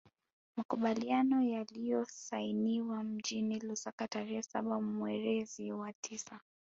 Makubaliano yaliyosainiwa mjini Lusaka tarehe saba mewrezi wa tisa